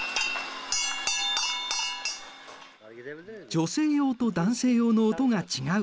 女性用と男性用の音が違う。